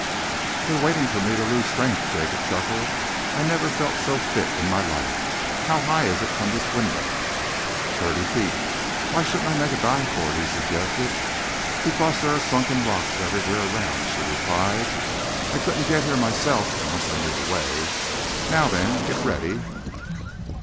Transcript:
"They're waiting for me to lose strength!" Jacob chuckled. "I never felt so fit in my life. How high is it from this window?" "Thirty feet." "Why shouldn't I make a dive for it?" he suggested. "Because there are sunken rocks everywhere around," she replied. "I couldn't get here myself unless I knew the way. Now, then, get ready."